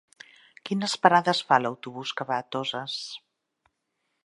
Quines parades fa l'autobús que va a Toses?